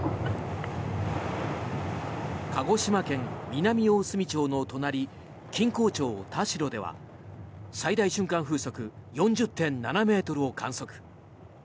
鹿児島県南大隅町の隣錦江町田代では最大瞬間風速４０．７ｍを観測。